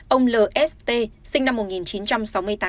ông lst năm một nghìn chín trăm sáu mươi tám